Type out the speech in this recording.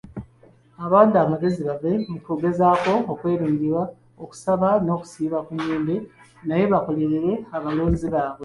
Abawadde amagezi bave mu kugezaako okwerungiya, okusaba n'okusiiba ku nnyimbe naye bakolere abalonzi baabwe.